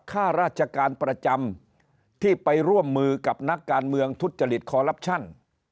ข้าราชการประจำที่ไปร่วมมือกับนักการเมืองทุจริตคอลลับชั่น